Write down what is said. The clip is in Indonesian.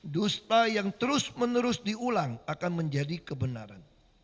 dusta yang terus menerus diulang akan menjadi kebenaran